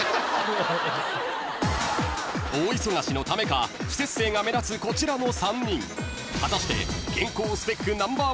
［大忙しのためか不摂生が目立つこちらの３人］